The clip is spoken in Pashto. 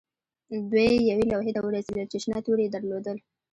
دوی یوې لوحې ته ورسیدل چې شنه توري یې درلودل